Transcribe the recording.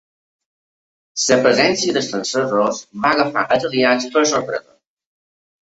La presència dels francesos va agafar els aliats per sorpresa.